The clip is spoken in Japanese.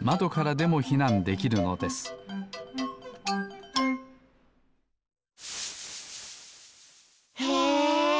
まどからでもひなんできるのですへえ！